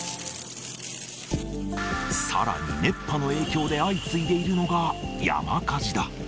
さらに熱波の影響で相次いでいるのが山火事だ。